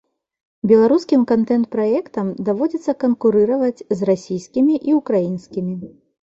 Беларускім кантэнт-праектам даводзіцца канкурыраваць з расійскімі і ўкраінскімі.